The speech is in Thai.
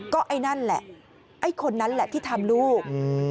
ก็ไอ้นั่นแหละไอ้คนนั้นแหละที่ทำลูก